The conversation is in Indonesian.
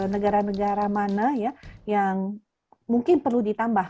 negara negara mana ya yang mungkin perlu ditambah